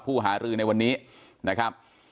หารือในวันนี้นะครับ